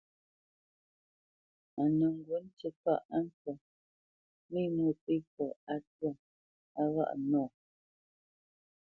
A nə ŋgǔ ŋtí kâʼ á mpfə́ mé Mwôpéfɔ á twâ á ghâʼ nɔ.